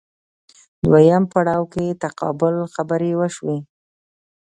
دویم پړاو کې تقابل خبرې وشوې